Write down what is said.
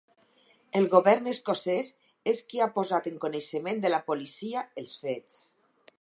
El govern escocès és qui ha posat en coneixement de la policia els fets.